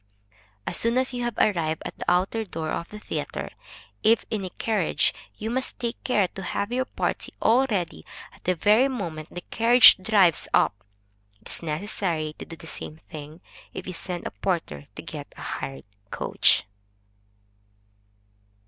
As soon as you have arrived at the outer door of the theatre, if in a carriage, you must take care to have your party all ready at the very moment the carriage drives up. It is necessary to do the same thing, if you send a porter to get a hired coach.